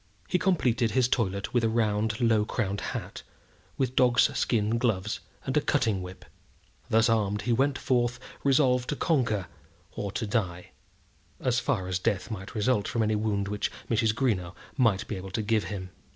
He completed his toilet with a round, low crowned hat, with dog's skin gloves, and a cutting whip. Thus armed he went forth resolved to conquer or to die, as far as death might result from any wound which Mrs. Greenow might be able to give him.